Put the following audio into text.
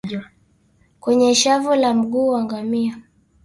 kwenye shavu la mguu wa ngamia